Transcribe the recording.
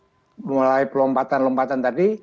ini harus mulai pelompatan lompatan tadi